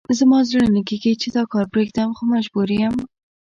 زما زړه نه کېږي چې دا کار پرېږدم، خو مجبور یم.